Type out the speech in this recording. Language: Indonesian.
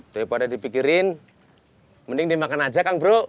daripada dipikirin mending dimakan aja kang bro